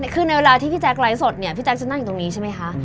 คือในเวลาที่พี่แจ๊คไลฟ์สดเนี่ยพี่แจ๊คจะนั่งอยู่ตรงนี้ใช่ไหมคะ